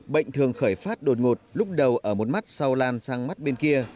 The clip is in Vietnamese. bệnh thường khởi phát đột ngột lúc đầu ở một mắt sau lan sang mắt bên kia